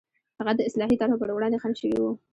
هغه د اصلاحي طرحو پر وړاندې خنډ شوي وو.